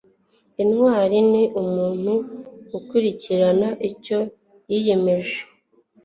intwari ni umuntu ukurikirana icyo yiyemeje